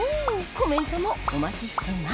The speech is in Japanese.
コメントもお待ちしてます